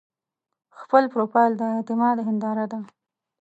خپل پروفایل د اعتماد هنداره ده.